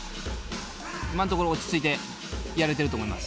今のところ落ち着いてやれてると思います。